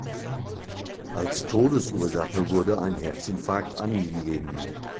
Als Todesursache wurde ein Herzinfarkt angegeben.